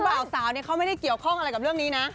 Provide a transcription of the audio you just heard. บ่าวสาวเขาไม่ได้เกี่ยวข้องอะไรกับเรื่องนี้นะ